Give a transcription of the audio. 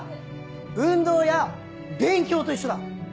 運動や勉強と一緒だ。